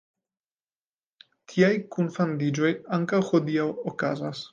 Tiaj kunfandiĝoj ankaŭ hodiaŭ okazas.